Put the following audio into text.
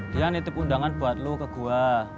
dia nitip undangan buat lo ke gua